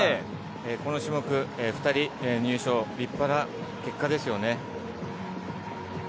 この種目、２人入賞は立派な結果ですよね。